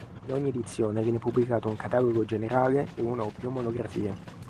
In ogni edizione viene pubblicato un catalogo generale e una o più monografie.